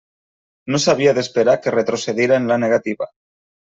No s'havia d'esperar que retrocedira en la negativa.